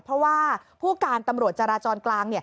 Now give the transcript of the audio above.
เพราะว่าผู้การตำรวจจราจรกลาง